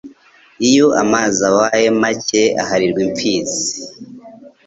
Iyo amazi abaye make aharirwa impfizi